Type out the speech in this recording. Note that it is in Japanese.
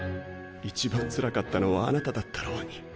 一番つらかったのはあなただったろうに。